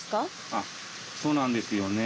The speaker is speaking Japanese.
ああそうなんですね。